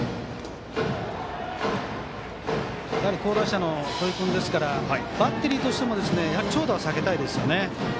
好打者の戸井君ですからバッテリーとしても長打は避けたいですよね。